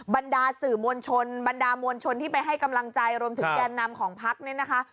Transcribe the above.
บรรดาสื่อมวลชนบรรดามวลชนที่ไปให้กำลังใจรวมถึงแกนนำของพักเนี่ยนะคะ